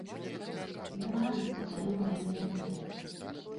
Ён радасць падарыў маёй нядолі!